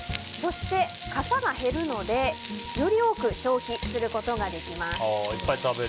そして、かさが減るのでより多く消費できます。